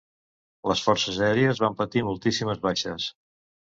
Les forces aèries van patir moltíssimes baixes.